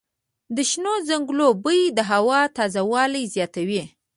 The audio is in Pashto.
د شنو ځنګلونو بوی د هوا تازه والی زیاتوي.